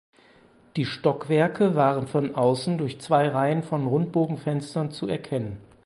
Die Stockwerke waren von außen durch zwei Reihen von Rundbogenfenstern zu erkennen.